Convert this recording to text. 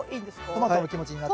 トマトの気持ちになって。